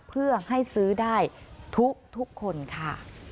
เพื่อให้ซื้อได้ทุกคนค่ะ